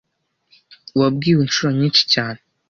Wabwiwe inshuro nyinshi cyane